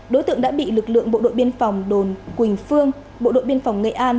đối tượng đã bị lực lượng bộ đội biên phòng đồn quỳnh phương bộ đội biên phòng nghệ an